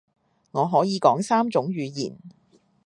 我可以講三種語言